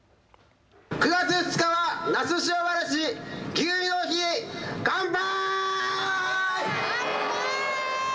９月２日は那須塩原市牛乳の日、乾杯！